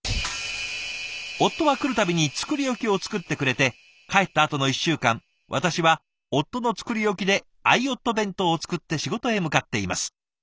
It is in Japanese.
「夫は来るたびに作り置きを作ってくれて帰ったあとの１週間私は夫の作り置きで愛夫弁当を作って仕事へ向かっています」ですって。